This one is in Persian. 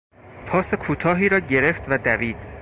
پاس کوتاهی را گرفت و دوید.